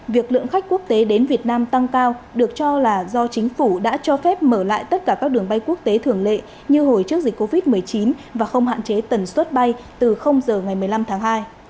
việc lượng khách quốc tế đến việt nam tăng cao được cho là do chính phủ đã cho phép mở lại tất cả các đường bay quốc tế thường lệ như hồi trước dịch covid một mươi chín và không hạn chế tần suất bay từ giờ ngày một mươi năm tháng hai